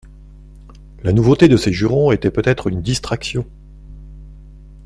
La nouveauté de ces jurons était peut-être une distraction.